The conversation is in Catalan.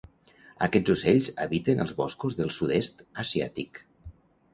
Aquests ocells habiten als boscos del sud-est asiàtic.